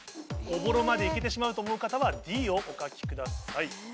おぼろまで行けてしまうと思う方はＤをお書きください。